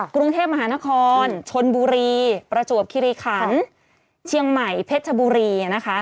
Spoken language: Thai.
กรุงเทพมหานครชนบุรีประจวบคิริขันเชียงใหม่เพชรชบุรีนะคะ